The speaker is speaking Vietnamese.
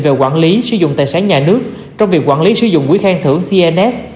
về quản lý sử dụng tài sản nhà nước trong việc quản lý sử dụng quỹ khen thưởng cns